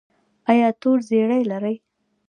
ایا تور زیړی لرئ؟